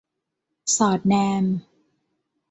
สอดแนม